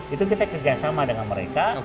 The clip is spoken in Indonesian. itu kita kerjasama dengan mereka